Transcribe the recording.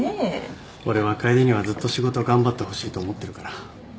俺は楓にはずっと仕事頑張ってほしいと思ってるから。